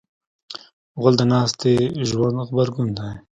غول د ناستې ژوند غبرګون دی.